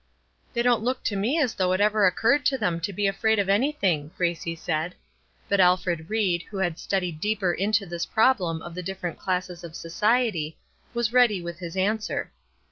"They don't look to me as though it ever occurred to them to be afraid of anything," Gracie said; but Alfred Ried, who had studied deeper into this problem of the different classes of society, was ready with his answer.